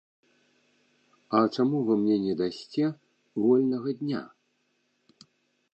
А чаму вы мне не дасце вольнага дня?